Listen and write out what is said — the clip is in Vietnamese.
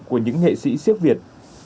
của những nghệ sĩ siếc việt